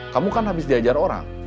kamu kan habis diajar orang